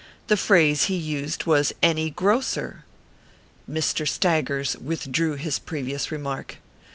The phrase he used was "any grocer." Mr. STAGGERS withdrew his previous remark.